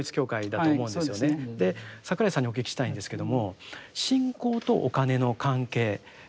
で櫻井さんにお聞きしたいんですけども信仰とお金の関係。